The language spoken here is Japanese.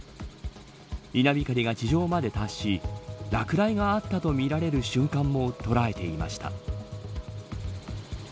稲光が地上まで達し落雷があったとみられる瞬間も捉えていました。